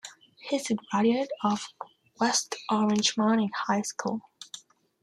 He is a graduate of West Orange Mountain High School.